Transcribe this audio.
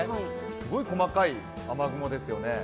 すごい細かい雨雲ですよね。